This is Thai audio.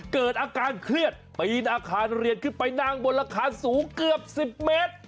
เกิดอาการเครียดปีนอาคารเรียนขึ้นไปนั่งบนอาคารสูงเกือบ๑๐เมตร